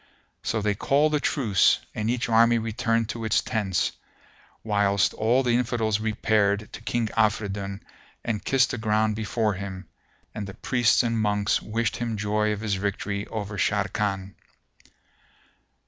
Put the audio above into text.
So they called a truce and each army returned to its tents, whilst all the Infidels repaired to King Afridun and kissed the ground before him, and the priests and monks wished him joy of his victory over Sharrkan.